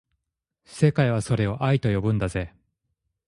世界はそれを愛と呼ぶんだぜ